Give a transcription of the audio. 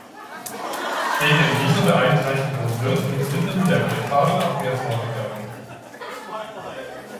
Gegen diese Beeinträchtigung wird mit Mitteln der Gefahrenabwehr vorgegangen.